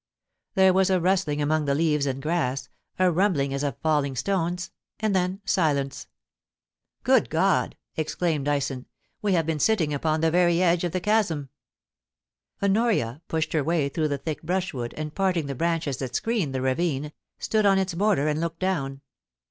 There was a rustling among the leaves and grass, a rumb ling as of falling stones — and then silence. * Good God r exclaimed Dyson, * we have been sitting upon the very edge of the chasm/ Honoria pushed her way through the thick brushwood, and parting the branches that screened the ravine, stood on its border, and looked down.